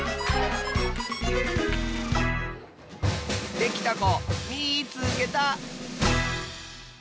できたこみいつけた！